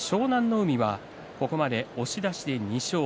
海はここまで押し出しで２勝。